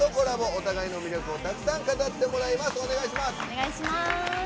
お互いの魅力をたくさん語ってもらいます。